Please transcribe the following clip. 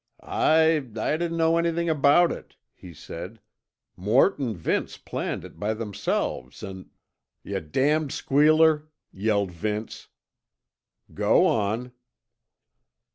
"I I didn't know anything about it," he said. "Mort an' Vince planned it by themselves an' " "Yuh damned squealer!" yelled Vince. "Go on."